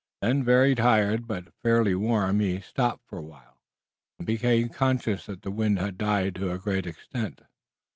Then very tired but fairly warm he stopped for a while, and became conscious that the wind had died to a great extent.